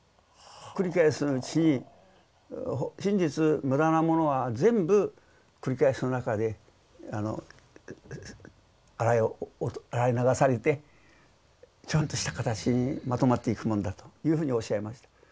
繰り返すうちに真実無駄なものは全部繰り返しの中で洗い流されてちゃんとした形にまとまっていくもんだというふうにおっしゃいました。